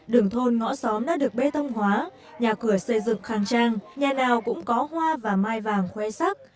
đường thôn ngõ xóm đã được bê tông hóa nhà cửa xây dựng khang trang nhà nào cũng có hoa và mai vàng khoe sắc